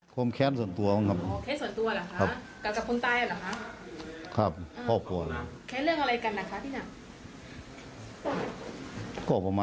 ก็มีแค่คนตายพอดีหรอคะ